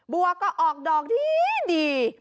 บัวก็ออกดอกดี